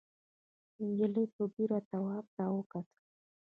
نجلۍ په بېره تواب ته وکتل.